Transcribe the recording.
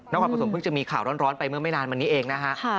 แล้วความผสมเพิ่งจะมีข่าวร้อนไปเมื่อไม่นานมันนี้เองนะฮะ